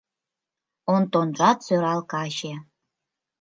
Онтонжат сӧрал каче...